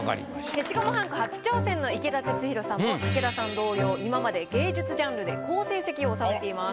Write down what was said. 消しゴムはんこ初挑戦の池田鉄洋さんも武田さん同様今まで芸術ジャンルで好成績を収めています。